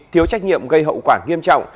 thiếu trách nhiệm gây hậu quả nghiêm trọng